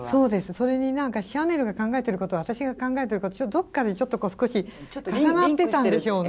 それに何かシャネルが考えてることは私が考えてることとどっかでちょっと少し重なってたんでしょうね。